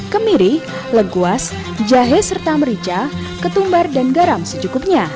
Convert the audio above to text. kemiri lekuas jahe serta merica ketumbar dan garam secukupnya